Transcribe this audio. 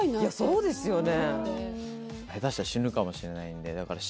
そうですよね